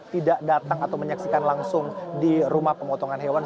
tidak datang atau menyaksikan langsung di rumah pemotongan hewan